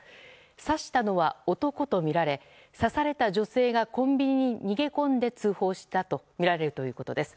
刺したのは男とみられ刺された女性がコンビニに逃げ込んで通報したとみられるということです。